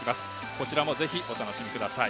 こちらも、ぜひお楽しみください。